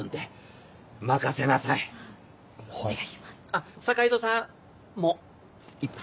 あっ坂井戸さんも一杯。